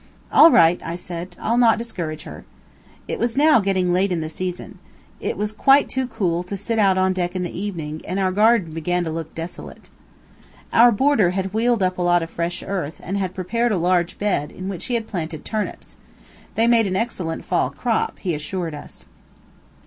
"All right," I said; "I'll not discourage her." It was now getting late in the season. It was quite too cool to sit out on deck in the evening, and our garden began to look desolate. Our boarder had wheeled up a lot of fresh earth, and had prepared a large bed, in which he had planted turnips. They made an excellent fall crop, he assured us.